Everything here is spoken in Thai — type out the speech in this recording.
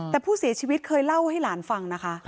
แต่ผู้เสียชีวิตเคยเล่าให้หลานฟังนะคะ